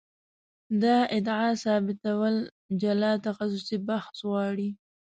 دا ادعا ثابتول جلا تخصصي بحث غواړي.